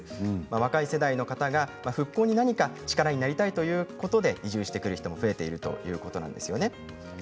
若い世代の方が復興に何か力になりたいということで移住してくる人も増えているということなんですよね。